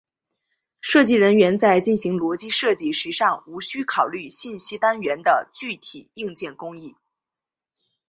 设计人员在进行逻辑设计时尚无需考虑信息单元的具体硬件工艺。